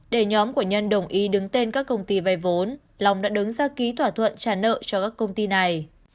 để nhóm của nhân đồng ý đứng tên các công ty vay vốn long đã đứng ra ký thỏa thuận trả nợ cho các công ty này